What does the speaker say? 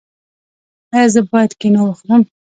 ایا زه باید کینو وخورم؟